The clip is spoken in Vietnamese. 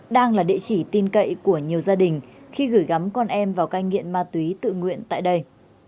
đang là địa chỉ tin cậy của nhiều gia đình khi gửi gắm con em vào cai nghiện ma túy tự nguyện tại đây